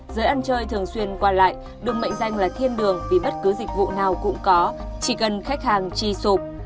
giới ăn chơi thường xuyên qua lại được mệnh danh là thiên đường vì bất cứ dịch vụ nào cũng có chỉ cần khách hàng chi sụp